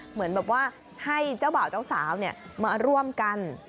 เหมือนแบบว่าให้เจ้าบ่าวเจ้าสาวมาร่วมกัน